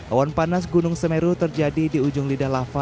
awan panas gunung semeru terjadi di ujung lidah lava